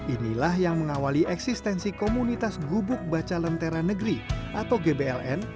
inilah yang mengawali eksistensi komunitas gubuk baca lentera negeri atau gbln